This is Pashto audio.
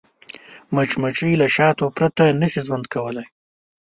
مچمچۍ له شاتو پرته نه شي ژوند کولی